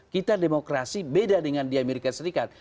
kita demokrasi beda dengan di amerika serikat